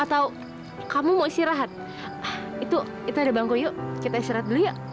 atau kamu mau istirahat itu itu ada bangku yuk kita istirahat dulu yuk